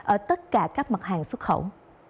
ở tất cả các mặt hàng xuất khẩu